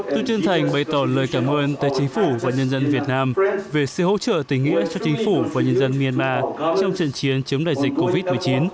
tôi chân thành bày tỏ lời cảm ơn tới chính phủ và nhân dân việt nam về sự hỗ trợ tình nghĩa cho chính phủ và nhân dân myanmar trong trận chiến chống đại dịch covid một mươi chín